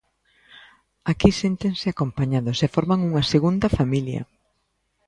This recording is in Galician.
Aquí séntense acompañados e forman unha segunda familia.